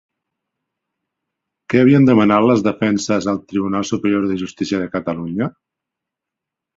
Què havien demanat les defenses al Tribunal Superior de Justícia de Catalunya?